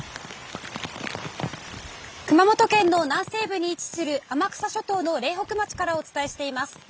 熊本県の南西部に位置する天草諸島の苓北町からお伝えしています。